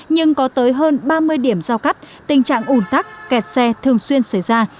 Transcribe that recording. nhưng có tới hơn ba mươi điểm giao cắt tình trạng ủn tắc kẹt xe thường xuyên xảy ra